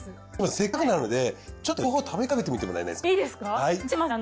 せっかくなのでちょっと両方食べ比べてみてもらえないですか。